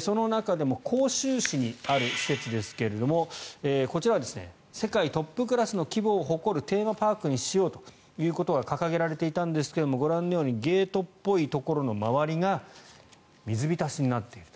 その中でも広州市にある施設ですがこちらは世界トップクラスの規模を誇るテーマパークにしようと掲げられていたんですがご覧のようにゲートっぽいところの周りが水浸しになっていると。